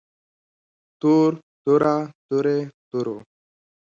تور توره تورې تورو